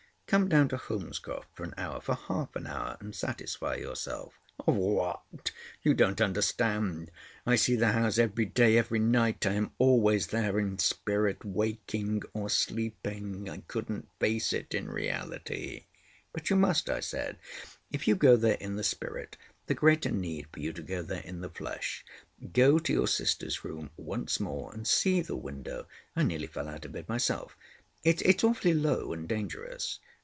Come down to Holmescroft for an hour—for half an hour and satisfy yourself." "Of what? You don't understand. I see the house every day—every night. I am always there in spirit—waking or sleeping. I couldn't face it in reality." "But you must," I said. "If you go there in the spirit the greater need for you to go there in the flesh. Go to your sister's room once more, and see the window—I nearly fell out of it myself. It's—it's awfully low and dangerous.